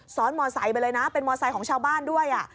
ซ้อนมอเตอร์ไซส์ไปเลยนะเป็นมอเตอร์ไซส์ของชาวบ้านด้วย